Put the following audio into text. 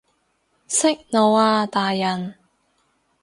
息怒啊大人